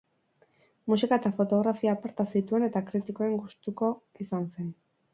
Musika eta fotografia aparta zituen eta kritikoen gustuko izan zen.